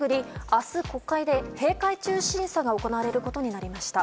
明日、国会で閉会中審査が行われることになりました。